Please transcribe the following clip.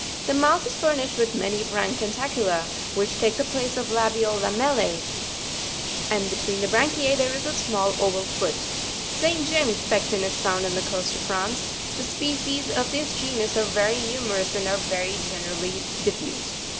The mouth is furnished with many branched tentacula, which take the place of labial lamells, and_ be tween the branchiz there is a small oval foot. St. James' Pecten is found on the coast of France. The species of this genus are very nus merous and are very generally dif: fused.